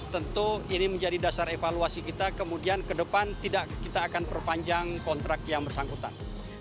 tentu ini menjadi dasar evaluasi kita kemudian ke depan tidak kita akan perpanjang kontrak yang bersangkutan